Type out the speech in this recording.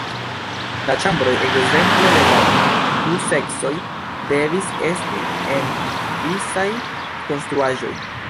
La ĉambroj, ekzemple, de la du seksoj devis esti en disaj konstruaĵoj.